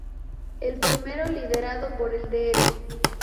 El primero liderado por el Dr.